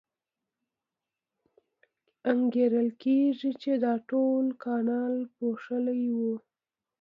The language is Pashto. انګېرل کېږي چې دا ټول کانال پوښلی و.